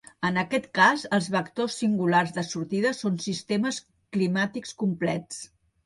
En aquest cas, els vectors singulars de sortida són sistemes climàtics complets.